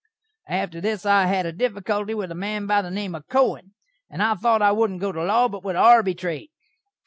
After this I had a diffikulty with a man by the name of Kohen, and I thot I wouldn't go to law, but would arbytrate.